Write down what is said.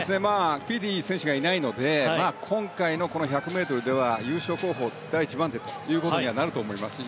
ピーティ選手がいないので今回の１００ｍでは優勝候補第一番手となると思います。